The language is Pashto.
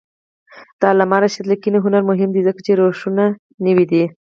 د علامه رشاد لیکنی هنر مهم دی ځکه چې روشونه نوي دي.